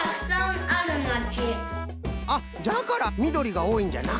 あっじゃからみどりがおおいんじゃな。